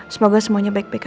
semoga semuanya baik baik